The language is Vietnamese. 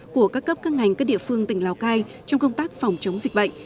của các cấp các ngành các địa phương tỉnh lào cai trong công tác phòng chống dịch bệnh